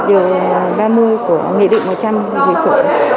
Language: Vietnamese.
điều ba mươi của nghị định một trăm linh dịch vụ